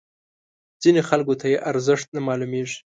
ځینو خلکو ته یې ارزښت نه معلومیږي.